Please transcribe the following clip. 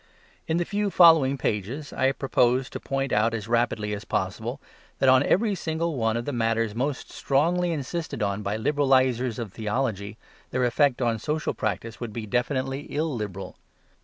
In the few following pages I propose to point out as rapidly as possible that on every single one of the matters most strongly insisted on by liberalisers of theology their effect upon social practice would be definitely illiberal.